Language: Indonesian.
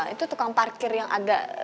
itu tukang parkir yang agak